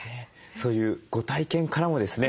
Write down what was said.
そういうご体験からもですね